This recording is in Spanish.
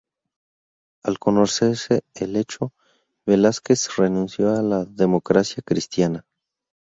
Al conocerse el hecho, Velásquez renunció a la Democracia Cristiana.